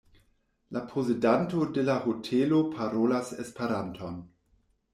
La posedanto de la hotelo parolas Esperanton.